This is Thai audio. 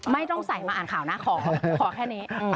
ไม่ต้องใส่มาอ่านข่าวนะขอแค่นี้